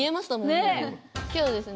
今日はですね